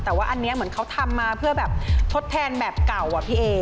แต่ว่าอันนี้เหมือนเขาทำมาเพื่อแบบทดแทนแบบเก่าอะพี่เอ